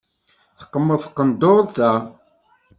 Teqmeḍ tqenduṛt-a.